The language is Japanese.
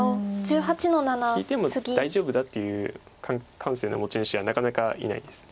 引いても大丈夫だっていう感性の持ち主はなかなかいないです。